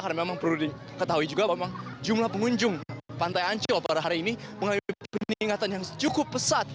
karena memang perlu diketahui juga memang jumlah pengunjung pantai ancol pada hari ini mengalami peningatan yang cukup pesat